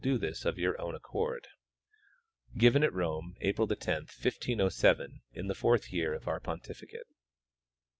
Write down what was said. do this of your own accord. Given at Rome, April 10, 1507, in the fourth year of our pon tificate.